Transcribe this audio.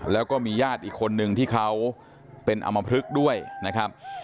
แล้วก็มีญาติอีกคนนึงที่เขาเป็นอมพลึกด้วยนะครับ